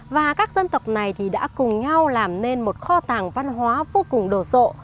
và các dân tộc này thì đã cùng nhau làm nên một kho tàng văn hóa vô cùng đồ sộ